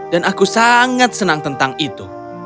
dan aku sangat senang tentang itu